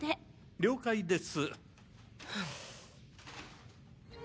了解です。